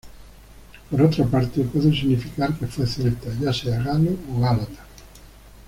Por otra parte, puede significar que fue celta, ya sea galo o gálata.